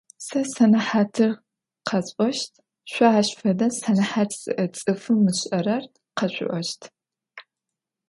Сэ сэнэхьатыр къэсӏощт, шъо ащ фэдэ сэнэхьат зиӏэ цӏыфым ышӏэрэр къэшъуӏощт.